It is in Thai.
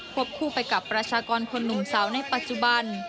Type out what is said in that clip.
คู่ไปกับประชากรคนหนุ่มสาวในปัจจุบัน